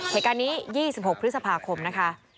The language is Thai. เหตุการณ์นี้๒๖พฤษภาคมนะคะ